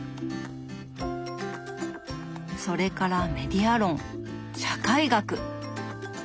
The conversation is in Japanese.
それからメディア論社会学！